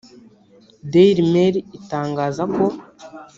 Dailymail itangaza ko